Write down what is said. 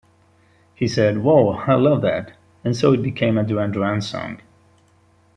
He said, 'Wow, I love that!' And so it became a Duran Duran song.